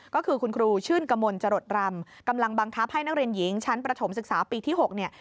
ก็คือคุณครูชื่นกมลจรดรำกำลังบังคับให้นักเรียนหญิงชั้นประถมศึกษาปีที่๖เนี่ย